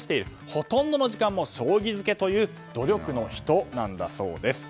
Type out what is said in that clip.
ほとんどの時間を将棋漬けという努力の人なんだそうです。